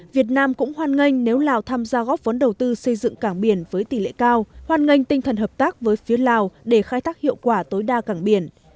việt nam cũng hoan nghênh nếu lào tham gia góp vốn đầu tư xây dựng cảng biển với tỷ lệ cao hoan nghênh tinh thần hợp tác với phía lào để khai thác hiệu quả tối đa cảng biển